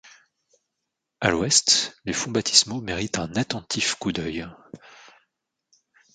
À l’ouest, les fonts baptismaux méritent un attentif coup d’œil.